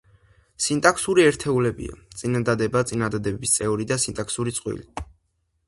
სინტაქსური ერთეულებია: წინადადება, წინადადების წევრი და სინტაქსური წყვილი.